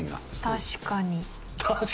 「確かに」。